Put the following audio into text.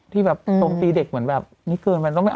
ที่ตกตีเด็กเหมือนแบบนี้เกินไป